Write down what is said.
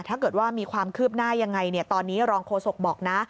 ถ้าเกิดว่ามีความคืบหน้ายังไงตอนนี้รองโฆษกบอกนะ